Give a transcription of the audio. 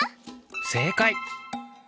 せいかい！